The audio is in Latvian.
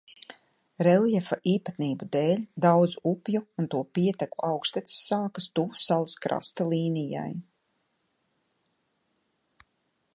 Reljefa īpatnību dēļ daudzu upju un to pieteku augšteces sākas tuvu salas krasta līnijai.